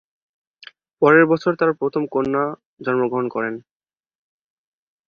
পরের বছর তার প্রথম কন্যা জন্মগ্রহণ করেন।